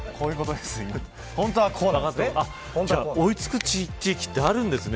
追い付く地域ってあるんですね。